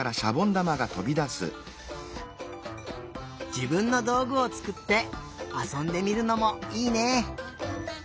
じぶんのどうぐをつくってあそんでみるのもいいね！